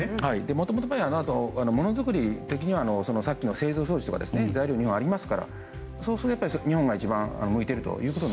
もともとものづくり的にはさっきの製造装置とか材料がありますからそうすると日本が一番向いていると。